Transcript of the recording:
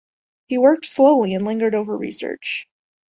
He worked slowly and lingered over research.